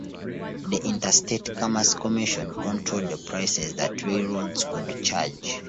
The Interstate Commerce Commission controlled the prices that railroads could charge.